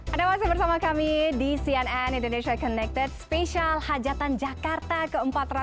ada masih bersama kami di cnn indonesia connected spesial hajatan jakarta ke empat ratus sembilan puluh